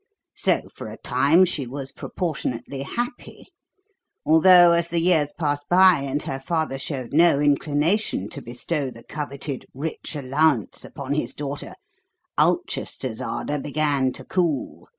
So, for a time, she was proportionately happy; although, as the years passed by and her father showed no inclination to bestow the coveted 'rich allowance' upon his daughter, Ulchester's ardour began to cool.